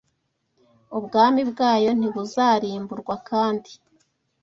ubwami bwayo ntibuzarimburwa kandi